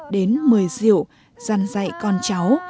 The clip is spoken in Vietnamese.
đến mời rượu dăn dạy con cháu